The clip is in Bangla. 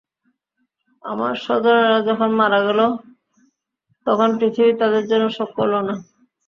আমার স্বজনেরা যখন মারা গেল, তখন পৃথিবী তাদের জন্য শোক করল না।